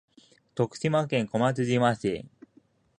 徳島県小松島市